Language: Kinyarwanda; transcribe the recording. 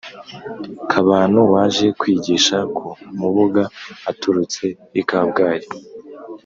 kabano waje kwigisha ku mubuga aturutse i kabgayi,